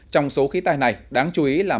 trong số khí tải này đáng chú ý là